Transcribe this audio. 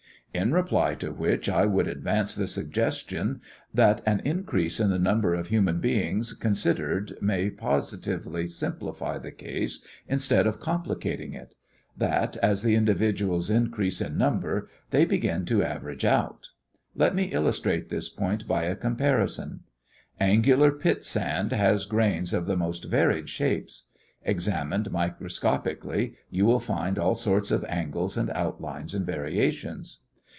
In reply to which I would advance the suggestion that an increase in the number of human beings considered may positively simplify the case instead of complicating it; that as the individuals increase in number they begin to average out. Let me illustrate this point by a comparison. Angular pit sand has grains of the most varied shapes. Examined microscopically, you will find all sorts of angles and outlines and variations.